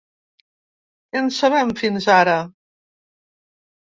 Què en sabem fins ara?